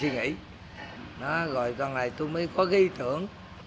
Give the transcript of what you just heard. rồi tôi ngồi tôi suy nghĩ rồi tôi mới có cái ý tưởng